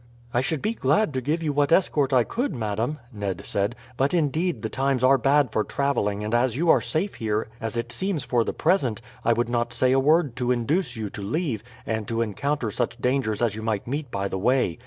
"I should be glad to give you what escort I could, madam," Ned said. "But, indeed, the times are bad for travelling and as you are safe here as it seems for the present, I would not say a word to induce you to leave and to encounter such dangers as you might meet by the way.